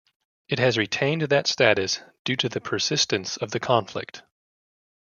It has retained that status due to the persistence of the conflict.